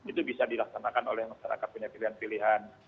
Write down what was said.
itu bisa dilaksanakan oleh masyarakat punya pilihan pilihan